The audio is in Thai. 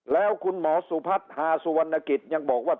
แล้วคุณหมอสุพัฒน์ฮาสุวรรณกิจยังบอกว่า